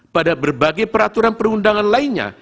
pada berbagai peraturan perundangan lainnya